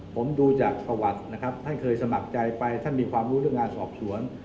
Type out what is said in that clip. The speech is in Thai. ผมดูจากประวัตินะครับท่านเคยสมัครใจไปท่านมีความรู้เรื่องงานสอบสวน